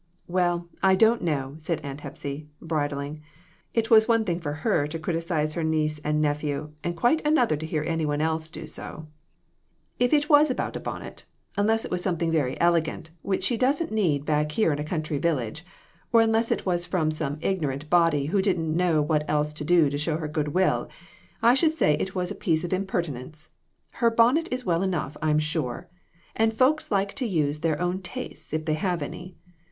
"Well, I don't know," said Aunt Hepsy, bri dling; it was one thing for her to criticise her niece and nephew, and quite another to hear any one else do so. DON T REPEAT IT. 151 " If it was about a bonnet, unless it was some thing very elegant, which she doesn't need back here in a country village, or unless it was from some ignorant body who didn't know what else to do to show her good will, I should say it was a piece of impertinence. Her bonnet is well enough, I'm sure ; and folks like to use their own tastes, if they have any.